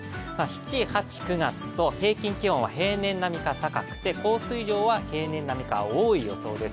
７，８，９月と平均気温は平年波か高い降水量は平年並みか多い予想です。